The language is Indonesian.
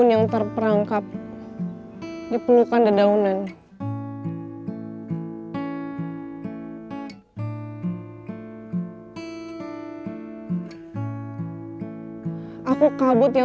sampai jumpa di video selanjutnya